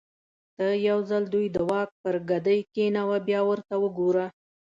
ته یو ځل دوی د واک پر ګدۍ کېنوه بیا ورته وګوره.